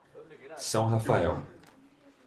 São Rafael